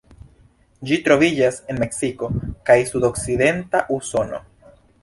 Ĝi troviĝas en Meksiko kaj sudokcidenta Usono.